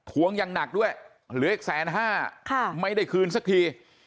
วงอย่างหนักด้วยเหลืออีกแสนห้าไม่ได้คืนสักที